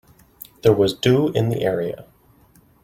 There was dew in the area.